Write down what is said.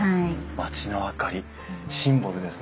町の明かりシンボルですね。